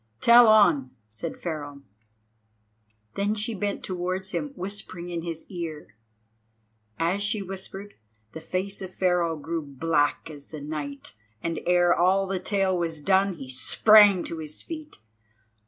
"Tell on," said Pharaoh. Then she bent towards him, whispering in his ear. As she whispered, the face of Pharaoh grew black as the night, and ere all the tale was done he sprang to his feet.